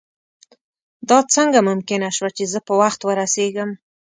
دا څنګه ممکنه شوه چې زه په وخت ورسېږم.